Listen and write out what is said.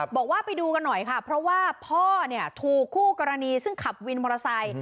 บอกว่าไปดูกันหน่อยค่ะเพราะว่าพ่อเนี่ยถูกคู่กรณีซึ่งขับวินมอเตอร์ไซค์